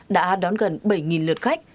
đã đón gần bảy lượt khách